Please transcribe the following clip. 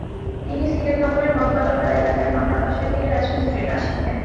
তিনি সিলেট নগরের বনকলা পাড়া এলাকায় মামার বাসায় থেকে রাজমিস্ত্রির কাজ শিখতেন।